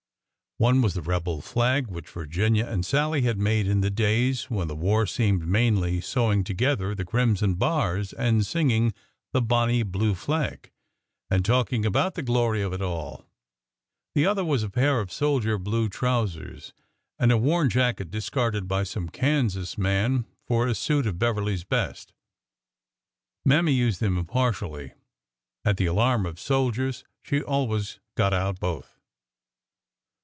One was the rebel flag which Virginia and Sallie had made in the days when the war seemed mainly sewing together the crimson bars and singing " The Bonny Blue Flag," and talking about the glory of it all. The other was a pair of soldier blue trou sers and a worn jacket discarded by some Kansas man for a suit of Beverly's best. Mammy used them impartially. At the alarm of soldiers she always got out both.